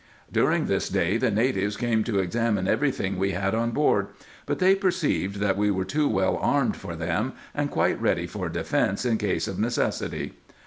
During this day the natives came to examine every tiling we had on board ; but they perceived that we were too well armed for them, and quite ready for defence in case of necessity.